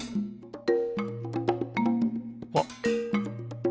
あっ。